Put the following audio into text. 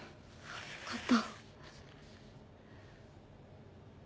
よかった。